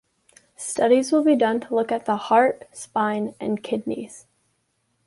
Studies will be done to look at the heart, spine and kidneys.